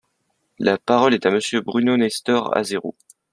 La parole est à Monsieur Bruno Nestor Azerot.